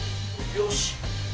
よし！